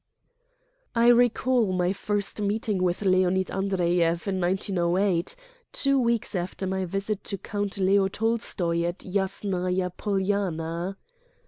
I recall my first meeting with Leonid Andreyev in 1908, two weeks after my visit to Count Leo Tolstoy at Yasnaya Polyana.